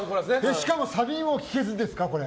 しかもサビも聴けずですか、これ。